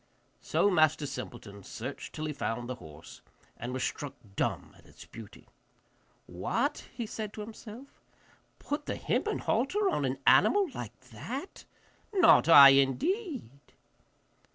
So Master Simpleton searched till he found the horse, and was struck dumb at its beauty. 'What!' he said to himself, 'put the hempen halter on an animal like that? Not I, indeed!